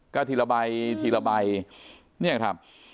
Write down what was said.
ก็ทีละใบทีละใบเนี่ยครับ